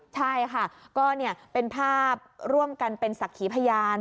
ใช่ค่ะก็เนี่ยเป็นภาพร่วมกันเป็นสักขีพยาน